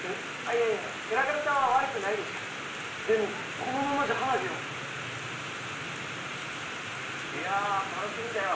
いやいや寺門さんは悪くないでしょでもこのままじゃ花火はいやー楽しみだよ